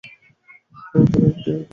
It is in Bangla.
জোরদার একটি কুকুর।